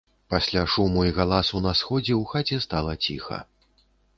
Пасля шуму і галасу на сходзе ў хаце стала ціха.